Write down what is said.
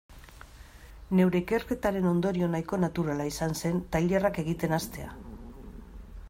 Neure ikerketaren ondorio nahiko naturala izan zen tailerrak egiten hastea.